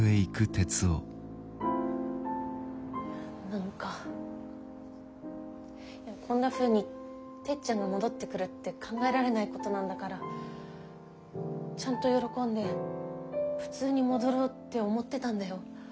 何かこんなふうにてっちゃんが戻ってくるって考えられないことなんだからちゃんと喜んで普通に戻ろうって思ってたんだよ？